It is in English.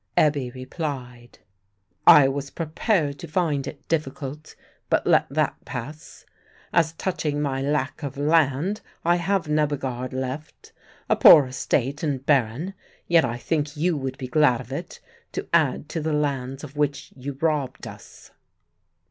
Ebbe replied, "I was prepared to find it difficult, but let that pass. As touching my lack of land, I have Nebbegaard left; a poor estate and barren, yet I think you would be glad of it, to add to the lands of which you robbed us."